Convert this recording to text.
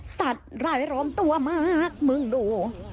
สัตว์ร้ายร้อนตัวมากมึงดู